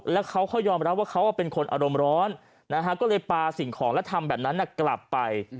แล้วเขายอมรับว่าเขาเป็นคนอารมณ์ร้อนก็เลยปลาสิ่งของและทำแบบนั้นกลับไป